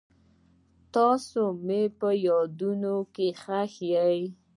تاسو مې په یادونو کې ښخ یئ.